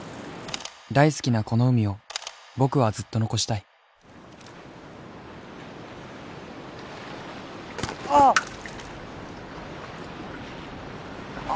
大好きなこの海を僕はずっと残したいあ！